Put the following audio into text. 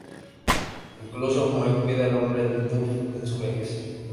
Incluso Moe cuida del Hombre Duff en su vejez.